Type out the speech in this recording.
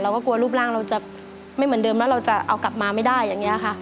ก็กลัวรูปร่างเราจะไม่เหมือนเดิมแล้วเราจะเอากลับมาไม่ได้อย่างนี้ค่ะ